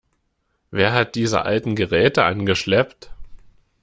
Wer hat diese alten Geräte angeschleppt?